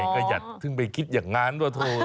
ก็อย่าซึ่งไปคิดอย่างนั้นว่าโถ